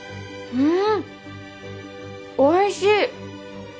うん！